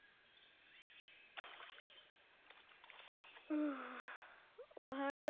はあおはよう。